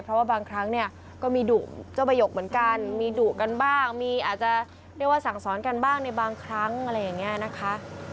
เพราะว่าบางครั้งเนี่ยก็มีดุเจ้าประหยกเหมือนกันมีดุกันบ้างมีอาจจะเรียกว่าสั่งสอนกันบ้างในบางครั้งอะไรอย่างนี้นะคะ